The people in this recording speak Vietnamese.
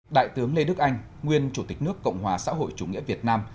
đại tướng lê đức anh nguyên chủ tịch nước cộng hòa xã hội chủ nghĩa việt nam